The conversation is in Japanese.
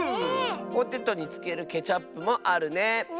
ポテトにつけるケチャップもあるね。